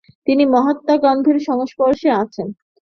তিনি মহাত্মা গান্ধীর সংস্পর্শে আসেন।